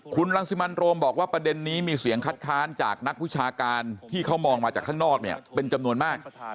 คุณรังสิมันโรมบอกว่าประเด็นนี้มีเสียงคัดค้านจากนักวิชาการที่เขามองมาจากข้างนอกเนี่ยเป็นจำนวนมาก